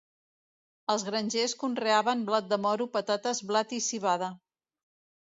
Els grangers conreaven blat de moro, patates, blat i civada.